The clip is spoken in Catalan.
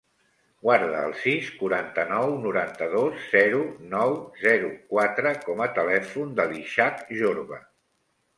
Guarda el sis, quaranta-nou, noranta-dos, zero, nou, zero, quatre com a telèfon de l'Ishak Jorba.